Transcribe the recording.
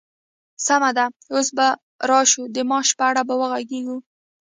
سمه ده، اوس به راشو د معاش په اړه به وغږيږو!